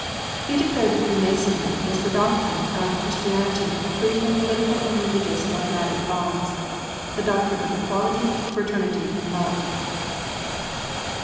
He declared that Freemasonry was the doctrine of Christian ity freed from political and religious dogmatic bonds : the doc trine of equality, fraternity, and love.